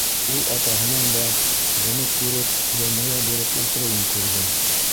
Ул атаһының да, быны күреп, йылмая биреп ултырыуын күрҙе.